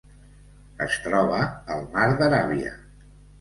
Es troba al Mar d'Aràbia: